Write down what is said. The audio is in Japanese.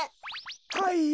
はいよ